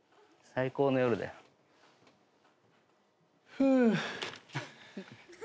・フゥ。